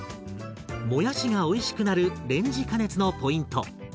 もやしがおいしくなるレンジ加熱のポイント。